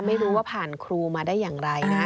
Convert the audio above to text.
ไม่รู้ว่าผ่านครูมาได้อย่างไรนะ